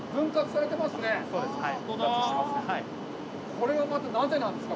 これはまたなぜなんですか？